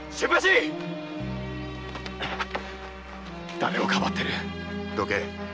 誰をかばっている⁉どけ。